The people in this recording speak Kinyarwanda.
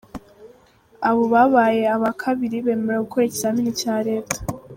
Abo babaye aba kabiri bemerewe gukora ikizamini cya Leta.